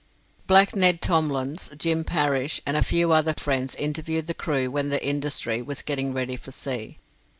Black Ned Tomlins, Jim Parrish, and a few other friends interviewed the crew when the 'Industry' was getting ready for sea.